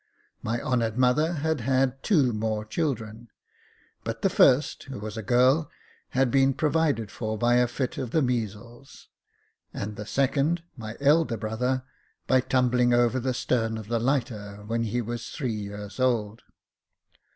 My honoured mother had had two more children ; but the first, who was a girl, had been provided for by a fit of the measles ; and the second, my elder brother, by tumbling over the stern of the lighter when he was three years old.